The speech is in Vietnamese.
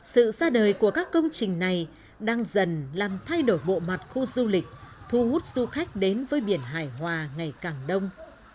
sự ra đời của các công trình này đang dần làm thay đổi bộ mặt khu du lịch thu hút du khách đến với biển hải hòa ngày càng đông